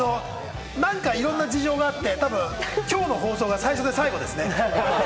なんかいろんな事情があって、今日の放送が最初で最後ですね。